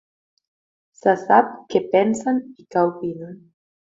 Se sap què pensen i què opinen.